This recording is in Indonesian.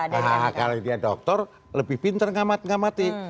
karena kalau dia dokter lebih pinter ngamat ngamati